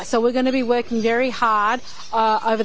jadi kita akan bekerja dengan sangat keras